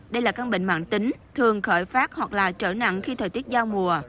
đây là căn bệnh mạng tính thường khởi phát hoặc là trở nặng khi thời tiết giao mùa